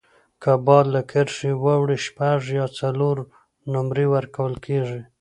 که بال له کرښي واوړي، شپږ یا څلور نومرې ورکول کیږي.